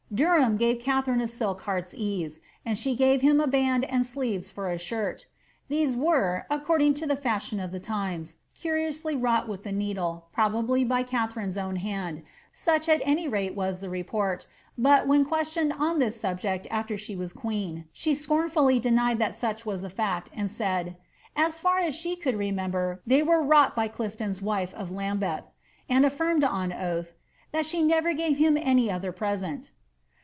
Derham me Katharine a silk heart's^ease, and she gave him a band and sleeves h>r ■ shirt. These were, according to the feshion of the times, curioutlj wrought with the needle, probably by Katharine's own hand — such it any rate was the report, but, when questioned on this subject after she was queen, she scornfully denied that such was the &ct, and said, *^u far as she could remember, they were wrought by Clifton's wife of Lambeth,^' and affirmed on oath ^ that she never gave him any other present."